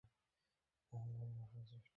আমি তাড়াতাড়ি আসার চেষ্টা করব।